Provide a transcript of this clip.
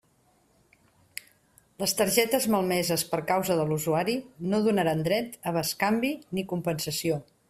Les targetes malmeses per causa de l'usuari no donaran dret a bescanvi ni compensació.